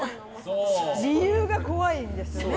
理由が怖いんです。